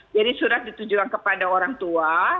jadi surat ditujuan kepada orang tua